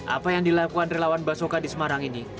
apa yang dilakukan relawan basoka di semarang ini